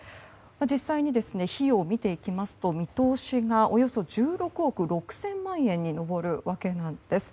実際に費用を見ていきますと見通しがおよそ１６億６０００万円に上るわけなんです。